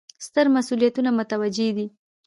ستر مسوولیتونه متوجه دي.